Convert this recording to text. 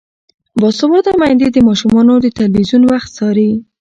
باسواده میندې د ماشومانو د تلویزیون وخت څاري.